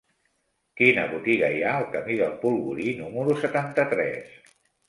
Quina botiga hi ha al camí del Polvorí número setanta-tres?